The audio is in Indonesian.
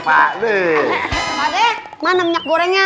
pak de mana minyak gorengnya